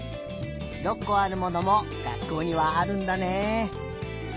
６こあるものもがっこうにはあるんだね。